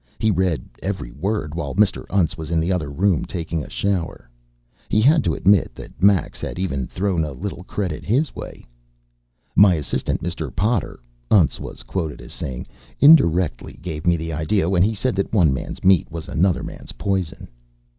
He read every word while Mr. Untz was in the other room taking a shower. He had to admit that Max had even thrown a little credit his way. "My assistant, Mr. Potter," Untz was quoted as saying, "indirectly gave me the idea when he said that one man's meat was another man's poison.